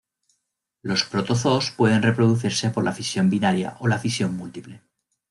Los protozoos pueden reproducirse por la fisión binaria o la fisión múltiple.